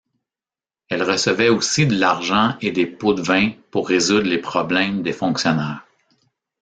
Elle recevait aussi de l’argent et des pots-de-vin pour résoudre les problèmes des fonctionnaires.